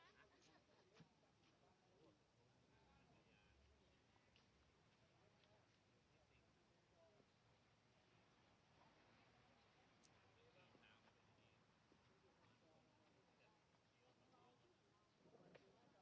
สวัสดีครับ